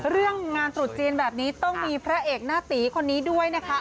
เรื่องงานตรุษจีนแบบนี้ต้องมีพระเอกหน้าตีคนนี้ด้วยนะคะ